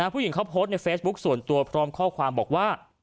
ผู้หญิงเขาโพสต์ในเฟซบุ๊คส่วนตัวพร้อมข้อความบอกว่า